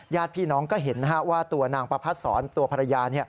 ญาติพี่น้องก็เห็นว่าตัวนางประพัดศรตัวภรรยา